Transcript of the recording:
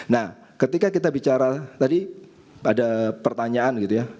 nah ketika kita bicara tadi ada pertanyaan gitu ya